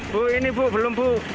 bu ini bu belum bu